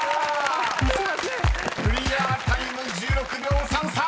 ［クリアタイム１６秒３３。